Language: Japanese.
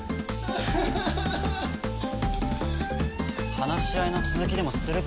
話し合いの続きでもするか。